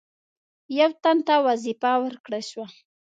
یو تن ته وظیفه ورکړه شوه.